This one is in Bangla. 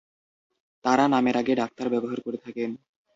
তারা নামের আগে ‘ডাক্তার’ ব্যবহার করে থাকেন।